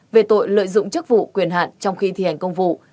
về tội lợi dụng chức vụ quyền hạn trong khi thi hành công vụ